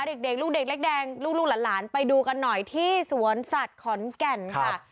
เด็กลูกเด็กเล็กแดงลูกหลานไปดูกันหน่อยที่สวนสัตว์ขอนแก่นค่ะ